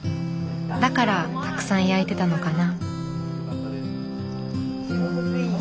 だからたくさん焼いてたのかな。